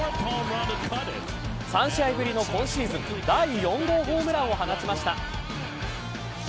３試合ぶりの今シーズン第４号ホームランを放ちました。